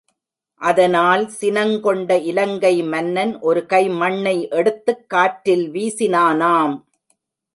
அதனால் சினங்கொண்ட இலங்கை மன்னன் ஒரு கை மண்ணை எடுத்துக் காற்றில் வீசினானாம்.